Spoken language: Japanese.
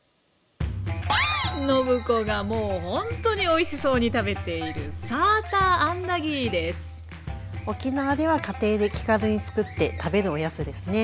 暢子がもうほんとにおいしそうに食べている沖縄では家庭で気軽に作って食べるおやつですね。